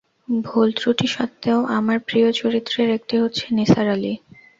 ভুলত্রুটি সত্ত্বেও আমার প্রিয় চরিত্রের একটি হচ্ছে নিসার আলি।